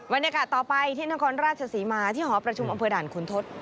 บรรยากาศต่อไปที่นครราชศรีมาที่หอประชุมอำเภอด่านขุนทศ